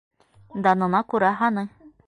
Данына күрә - һаны...